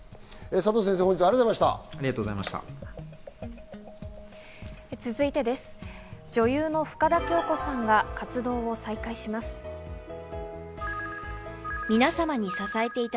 佐藤先生、本日はありがとうございました。